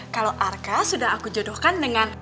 kalau arka sudah aku jodohkan dengan